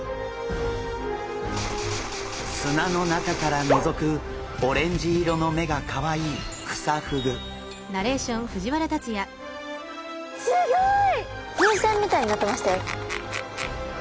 砂の中からのぞくオレンジ色の目がカワイイすギョい！